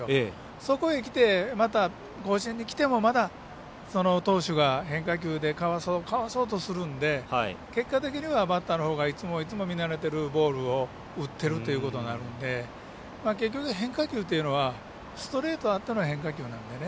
そこへきて、甲子園へきてもまだ投手が変化球でかわそう、かわそうとするので結果的にはバッターのほうがいつも見慣れているボールを打っているということになるので結局、変化球というのはストレートあっての変化球なので。